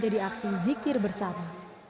di aksi zikir bersama